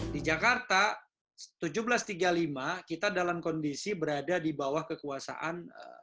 di jakarta seribu tujuh ratus tiga puluh lima kita dalam kondisi berada di bawah kekuasaan